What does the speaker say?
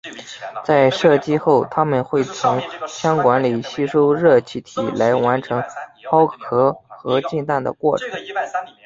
在射击后它们会从枪管里吸收热气体来完成抛壳和进弹的过程。